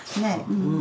うん。